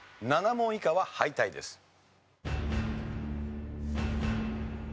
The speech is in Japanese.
７問以下は敗退です。